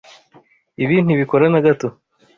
Ibi ntibikora na gato.